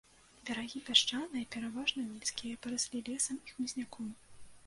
Берагі пясчаныя, пераважна нізкія, параслі лесам і хмызняком.